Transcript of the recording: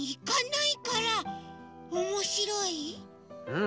うん。